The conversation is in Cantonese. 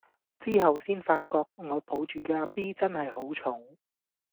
之後先發覺我抱住嘅阿 B 真係好重